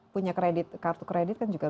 punya kredit kartu kredit kan juga